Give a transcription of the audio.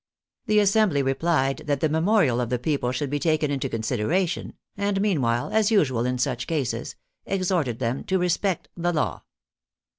The Assembly replied that the memorial of tl>e people should be taken into consideration, and meanwhile, as usual in such cases, exhorted them to " respect the law."